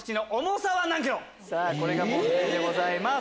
これが問題でございます。